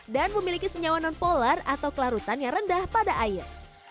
dan memiliki senyawa nonpolar atau kelarutan yang rendah pada air